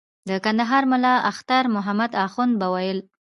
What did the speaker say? د کندهار ملا اختر محمد اخند به ویل.